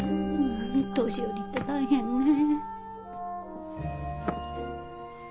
年寄りって大変ねぇ。